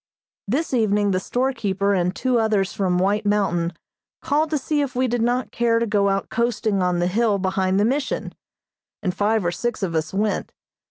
This evening the storekeeper and two others from White Mountain called to see if we did not care to go out coasting on the hill behind the Mission, and five or six of us went.